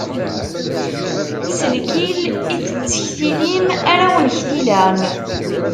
S lkil i tettektilim, ara wen-ktilen.